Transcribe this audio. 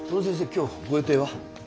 今日ご予定は？